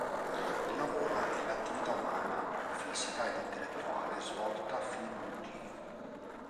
Il lavoro è l'attività umana, fisica ed intellettuale, svolta a fini produttivi.